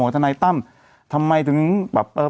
แล้วก็ถนายต้ำทำไมถึงแบบ